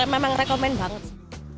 memang rekomen banget sih